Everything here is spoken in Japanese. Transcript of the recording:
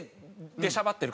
でしゃばってる。